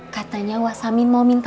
katanya wasamin dia sama masuha